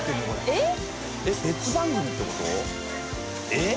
えっ？